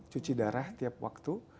cuci darah tiap waktu